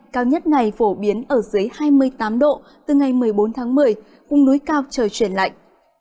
cao nhất ngày phổ biến ở dưới hai mươi tám độ từ ngày một mươi bốn tháng một mươi vùng núi cao trời chuyển lạnh